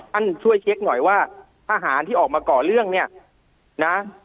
ช่วยเช็คหน่อยว่าทหารที่ออกมาก่อเรื่องเนี่ยนะ